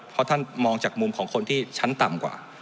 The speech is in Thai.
เพราะท่านมองจากมุมของคนที่ชั้นต่ำกว่า